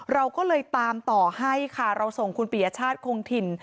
เราก็เลยตามต่อให้ค่ะเราส่งคุณปียชาติคงถิ่น